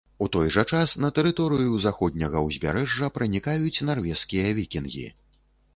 У той жа час на тэрыторыю заходняга ўзбярэжжа пранікаюць нарвежскія вікінгі.